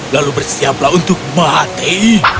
lalu bersiaplah untuk mati